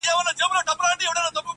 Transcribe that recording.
کي به ناڅي ښکلي پېغلي -